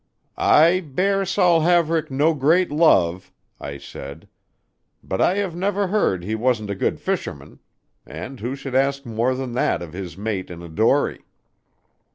"I bear Saul Haverick no great love," I said; "but I have never heard he wasn't a good fisherman, and who should ask more than that of his mate in a dory?"